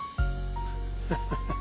ハハハッ。